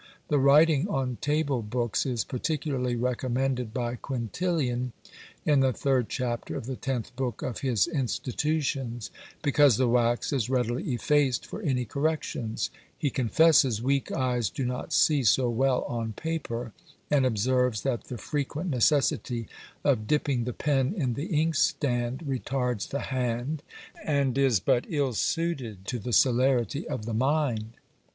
The writing on table books is particularly recommended by Quintilian in the third chapter of the tenth book of his Institutions; because the wax is readily effaced for any corrections: he confesses weak eyes do not see so well on paper, and observes that the frequent necessity of dipping the pen in the inkstand retards the hand, and is but ill suited to the celerity of the mind.